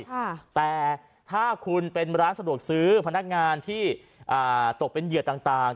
ค่ะแต่ถ้าคุณเป็นร้านสะดวกซื้อพนักงานที่อ่าตกเป็นเหยื่อต่างต่าง